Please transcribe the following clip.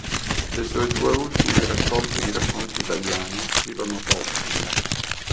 Le sue due ultime raccolte di "racconti italiani" uscirono postume.